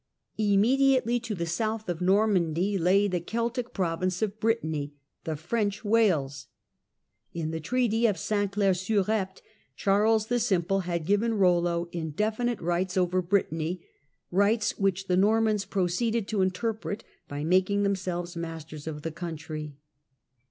Immediately to the south of Normandy lay the Celtic Britanny province of Britanny, the " French Wales." In the treaty of Clair sur Epte Charles the Simple had given Eollo indefinite rights over Britanny, rights which the Normans proceeded to interpret by making themselves masters of the country.